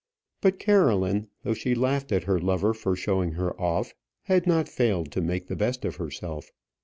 But Caroline, though she laughed at her lover for showing her off, had not failed to make the best of herself.